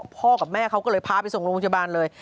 พ่อกับแม่เขาก็เลยพาไปส่งโรงพยาบาลเลย